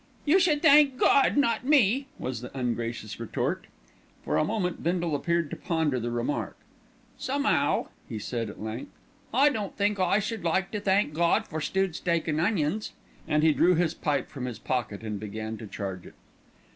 "You should thank God, not me," was the ungracious retort. For a moment Bindle appeared to ponder the remark. "Some'ow," he said at length, "I don't think I should like to thank Gawd for stewed steak an' onions," and he drew his pipe from his pocket and began to charge it.